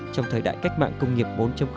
trong thời đại cách mạng công nghiệp bốn